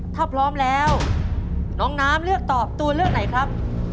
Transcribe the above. ถ้าพร้อมแล้วน้องน้ำเลือกตอบตัวเลือกไหนครับ